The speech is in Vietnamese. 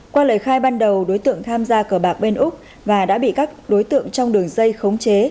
qua lời khai ban đầu đối tượng tham gia cờ bạc bên úc và đã bị các đối tượng trong đường dây khống chế